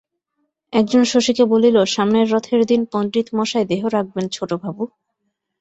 একজন শশীকে বলিল, সামনের রথের দিন পণ্ডিত মশায় দেহ রাখবেন ছোটবাবু।